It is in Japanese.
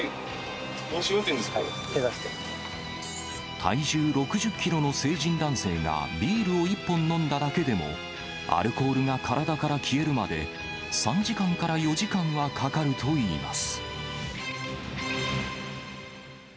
体重６０キロの成人男性がビールを１本飲んだだけでも、アルコールが体から消えるまで３時間から４時間はかかるといいます。